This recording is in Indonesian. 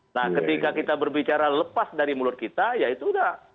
nah ketika kita berbicara lepas dari mulut kita ya itu udah